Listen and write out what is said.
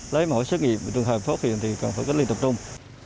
lấy mẫu xét nghiệm trường hợp phong tỏa thì cần phải cất linh tập trung